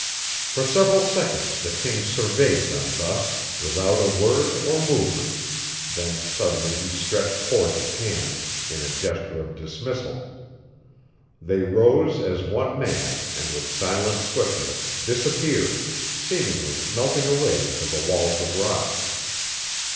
For several seconds the king surveyed them thus, without a sound or movement; then suddenly he stretched forth his hand in a gesture of dismissal. They rose as one man and with silent swiftness disappeared, seemingly melting away into the walls of rock.